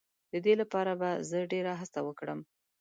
د دې لپاره به زه ډېر هڅه وکړم.